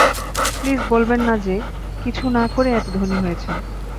Please বলবেন না যে, কিছু না করেই এত ধনী হয়েছেন।